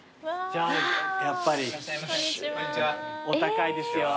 じゃあやっぱりお高いですよ。